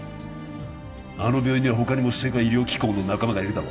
あの病院には他にも世界医療機構の仲間がいるだろ？